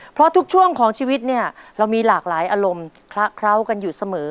เพราะทุกช่วงของชีวิตเนี่ยเรามีหลากหลายอารมณ์คละเคล้ากันอยู่เสมอ